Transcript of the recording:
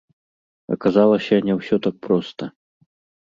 Аказалася не ўсё так проста.